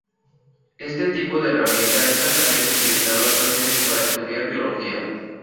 Este tipo de herramientas es altamente utilizado actualmente para estudiar biología.